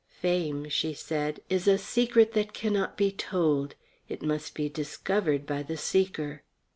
"Fame," she said, "is a secret that cannot be told. It must be discovered by the seeker.